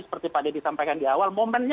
seperti pak deddy sampaikan di awal momennya